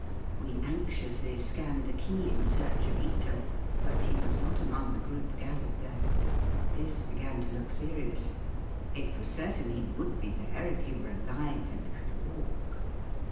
We anxiously scanned the quay in search of Ito, but he was not among the group gathered there. This began to look serious. It was certain he would be there if he were aUve and could walk.